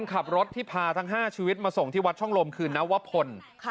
ขับรถที่พาทั้ง๕ชีวิตมาส่งที่วัดช่องลมคือนวพล